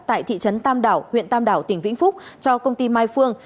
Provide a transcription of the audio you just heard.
tại thị trấn tam đảo huyện tam đảo tỉnh vĩnh phúc cho công ty mai phương